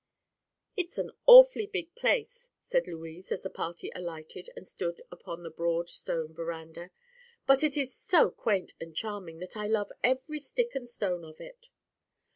"It's an awfully big place," said Louise, as the party alighted and stood upon the broad stone veranda, "but it is so quaint and charming that I love every stick and stone of it."